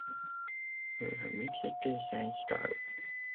La mixité s’installe.